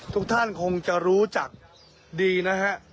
ทุกท่านคงจะรู้จักดีนะฮะ